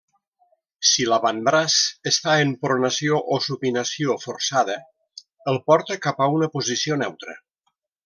Si l'avantbraç està en pronació o supinació forçada el porta cap a una posició neutra.